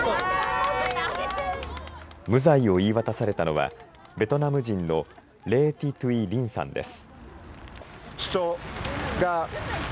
無罪を言い渡されたのはベトナム人のレー・ティ・トゥイ・リンさんです。